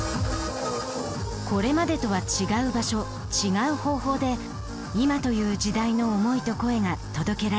これまでとは違う場所違う方法で今という時代の思いと声が届けられている。